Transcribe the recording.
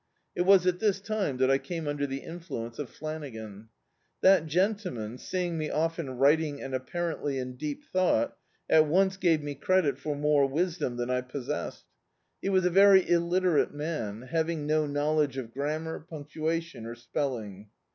It was at this time that I came under the influence of Flanagan. That gentleman, seeing me often writing and apparently in deep thought, at once gave me credit for more wisdom than I possessed. He was a very illiterate man, having no Imowledge of grammar, punctuation or spelling.